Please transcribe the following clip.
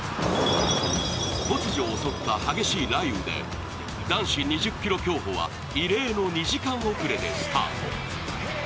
突如襲った激しい雷雨で男子２０ｋｍ競歩は異例の２時間遅れでスタート。